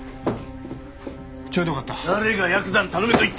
ちょうどよかった。